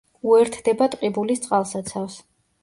უერთდება ტყიბულის წყალსაცავს.